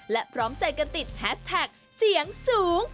และพร้อมใจกันติดแฮสแท็กเสียงสูง